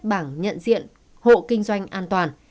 bảng nhận diện hộ kinh doanh an toàn